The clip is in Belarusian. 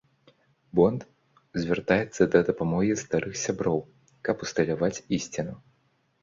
Бонд звяртаецца да дапамогі старых сяброў, каб усталяваць ісціну.